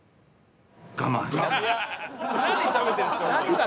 何食べてるんですか？